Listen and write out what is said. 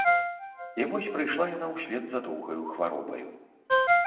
І вось прыйшла яна ўслед за доўгаю хваробаю.